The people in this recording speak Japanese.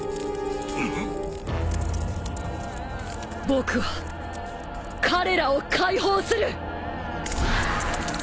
僕は彼らを解放する！